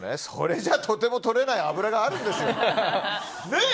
それじゃとても取れない脂があるんですよ。